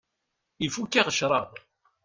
Ifukk-aɣ ccrab.